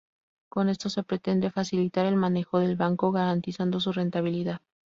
Con esto se pretende facilitar el manejo del banco, garantizando su rentabilidad.